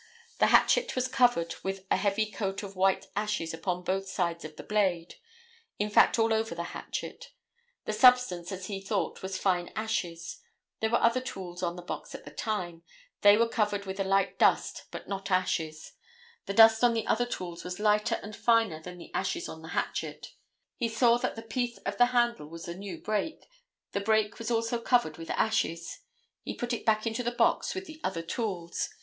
The hatchet was covered with a heavy coat of white ashes upon both sides of the blade; in fact all over the hatchet; the substance, as he thought, was fine ashes; there were other tools on the box at the time, they were covered with a light dust but not ashes; the dust on the other tools was lighter and finer than the ashes on the hatchet; he saw that the piece of the handle was a new break; the break was also covered with ashes; he put it back into the box with the other tools.